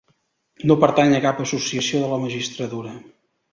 No pertany a cap associació de la magistratura.